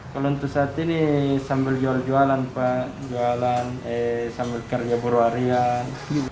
kalau untuk saat ini sambil jual jualan pak jualan sambil kerja berwarian